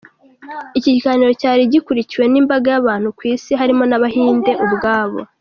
Iki kiganiro cyari gikurikiwe n’imbaga y’abantu ku isi harimo n’abahinde ubwabo.